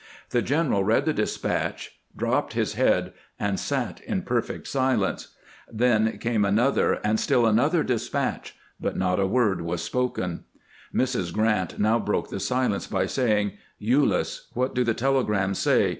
The general read the despatch, dropped his head, and sat in perfect silence. Then came another, and stUl another despatch, but not a word was spoken. Mrs. Grant now broke the silence by saying: "Ulyss, what do the telegrams say?